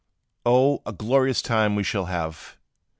"Oh! a glorious time we shall have!